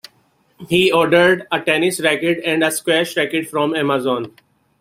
He ordered a tennis racket and a squash racket from Amazon.